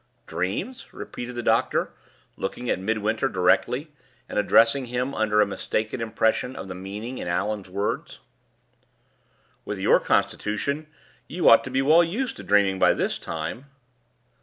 "Dreams?" repeated the doctor, looking at Midwinter directly, and addressing him under a mistaken impression of the meaning of Allan's words. "With your constitution, you ought to be well used to dreaming by this time."